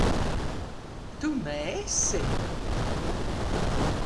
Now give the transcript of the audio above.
Tu neesi?